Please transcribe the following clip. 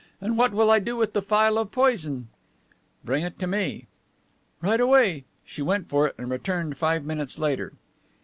And what will I do with the phial of poison?" "Bring it to me." "Right away." She went for it and returned five minutes later.